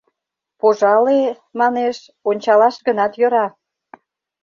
— Пожале, манеш, ончалаш гынат йӧра.